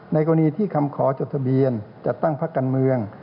กรณีที่คำขอจดทะเบียนจัดตั้งพักการเมือง